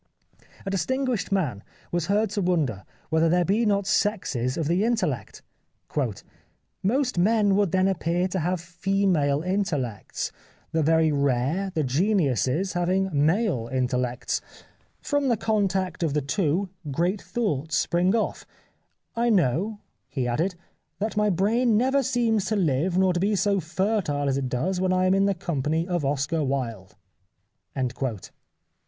A distinguished man was heard to wonder whether there be not sexes of the intellect. " Most men would then appear to have female intellects ; the very rare, the geniuses, having male intellects. From the con 240 The Life of Oscar Wilde tact of the two, great thoughts spring off. I know," he added " that my brain never seems to Hve nor to be so fertile as it does when I am in the company of Oscar Wilde."